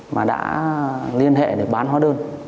mà đã liên hệ để bán hóa đơn